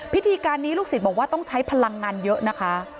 พิธีการนี้ลูกศิษย์บอกว่าต้องใช้พลังงานเยอะนะคะ